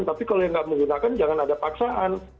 tapi kalau yang nggak menggunakan jangan ada paksaan